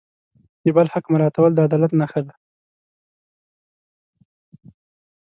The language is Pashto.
د بل حق مراعتول د عدالت نښه ده.